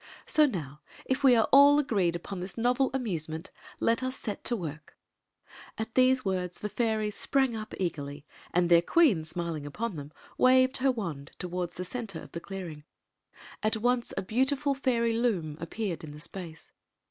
So now, if we are all agreed upon this novel amusement, let us set to work." At diese words the Juries sprang up eagerly; and their queen, smiling upon them, waved her wand toward the center of the clearing. At once a beau tiful fairy loom appeared in the space.